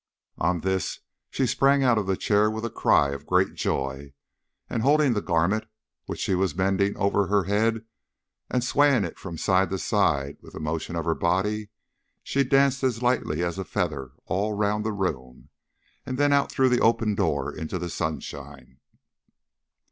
On this she sprang out of the chair with a cry of great joy, and holding the garment which she was mending over her head, and swaying it from side to side with the motion of her body, she danced as lightly as a feather all round the room, and then out through the open door into the sunshine.